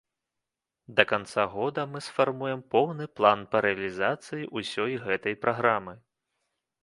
Да канца года мы сфармуем поўны план па рэалізацыі ўсёй гэтай праграмы.